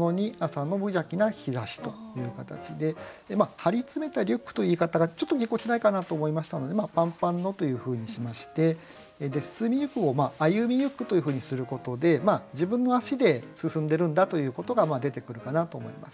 「張り詰めたリュック」という言い方がちょっとぎこちないかなと思いましたので「ぱんぱんの」というふうにしまして「進みゆく」を「歩みゆく」というふうにすることで自分の足で進んでるんだということが出てくるかなと思います。